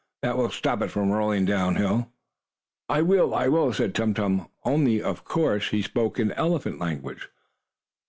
That will stop it from rolling down hill!" "I will! I will!" said Tum Tum, only, of course, he spoke in elephant language.